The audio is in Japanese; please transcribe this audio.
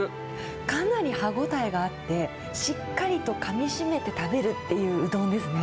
かなり歯応えがあって、しっかりとかみしめて食べるっていううどんですね。